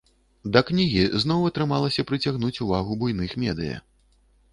Да кнігі зноў атрымалася прыцягнуць увагу буйных медыя.